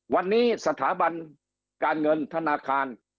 วันนี้สถาบันการเงินธนาคาร